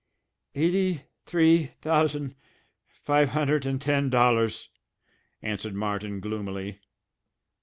"Eighty three thousand, fi'hunnerd an' ten dollars," answered Martin gloomily.